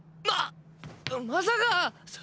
ままさか！